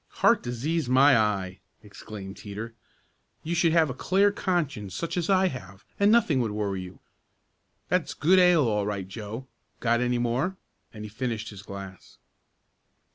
"Heart disease; my eye!" exclaimed Teeter. "You should have a clear conscience such as I have, and nothing would worry you. That's good ale all right, Joe. Got any more?" and he finished his glass.